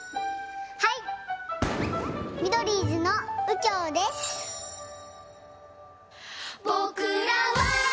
はいミドリーズのうきょうです。